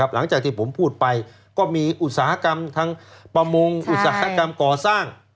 หลังจากที่ผมพูดไปก็มีอุตสาหกรรมทางประมงอุตสาหกรรมก่อสร้าง